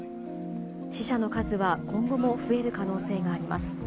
死者の数は今後も増える可能性があります。